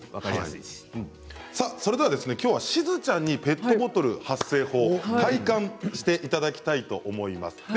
きょうは、しずちゃんにペットボトル発声法を体感していただきたいと思います。